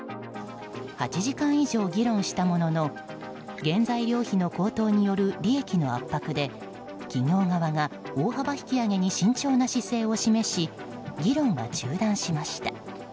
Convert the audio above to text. ８時間以上議論したものの原材料費の高騰による利益の圧迫で企業側が大幅引き上げに慎重な姿勢を示し議論は中断しました。